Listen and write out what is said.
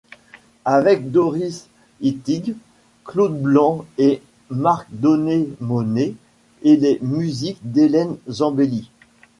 Avec Doris Ittig, Claude Blanc et Marc Donet-Monet et les musiques d'Hélène Zambelli.